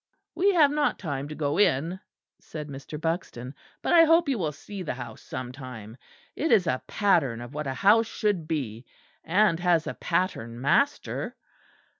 "We have not time to go in," said Mr. Buxton, "but I hope you will see the house sometime; it is a pattern of what a house should be; and has a pattern master."